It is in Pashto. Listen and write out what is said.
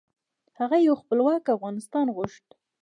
هغه یو خپلواک افغانستان غوښت .